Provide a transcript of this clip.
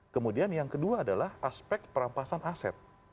kemudian yang kedua adalah aspek perampasan aset